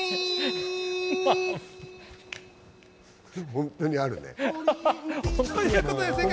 本当にあるね。